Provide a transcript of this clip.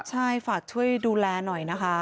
ใช่ฝากช่วยดูแลหน่อยนะคะ